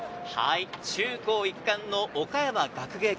中高一貫の岡山学芸館。